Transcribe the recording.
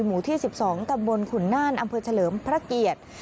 หมู่ที่๑๒ตำบลขุนน่านอำเภอเฉลิมพระเกียรติ